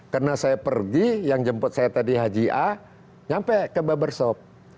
karena saya pergi yang jemput saya tadi haji a nyampe ke barbershop